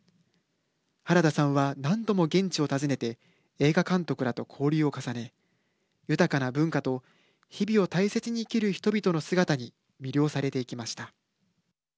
はらださんは何度も現地を訪ねて映画監督らと交流を重ね豊かな文化と日々を大切に生きる人々の姿に魅了されていきました。